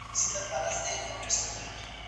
پلار یې ولي راوغوښتل سو؟